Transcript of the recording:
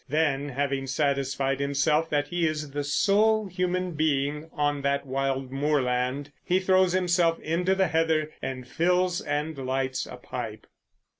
Then having satisfied himself that he is the sole human being on that wild moorland, he throws himself into the heather—and fills and lights a pipe.